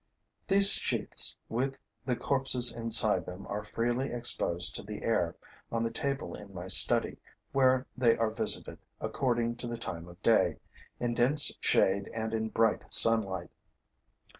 These sheaths with the corpses inside them are freely exposed to the air, on the table in my study, where they are visited, according to the time of day, in dense shade and in bright sunlight.